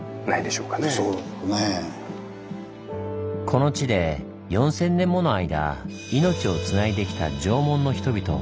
この地で４，０００年もの間命をつないできた縄文の人々。